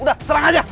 udah serang aja